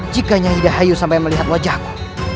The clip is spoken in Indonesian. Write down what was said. jikanya hidahayu sampai melihat wajahku